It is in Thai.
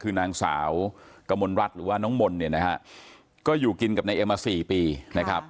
คือนางสาวกมลรัฐหรือว่าน้องมนต์เนี่ยนะฮะก็อยู่กินกับนายเอ็มมาสี่ปีนะครับ